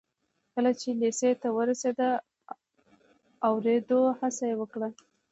کله چې لېسې ته ورسېد د اورېدو هڅه یې وکړه